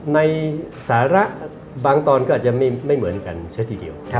ในสาระบางตอนก็อาจจะไม่เหมือนกันเสียทีเดียว